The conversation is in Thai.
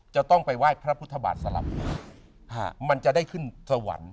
จะต้องไปไหว้พระพุทธบาทสลับมันจะได้ขึ้นสวรรค์